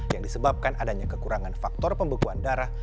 yang disebabkan adanya kekurangan faktor pembekuan darah